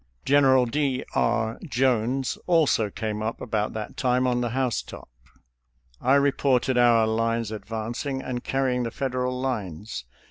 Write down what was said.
General D. R. Jones also came up about that time on the housetop. I reported our lines advancing and carrying the Federal lines.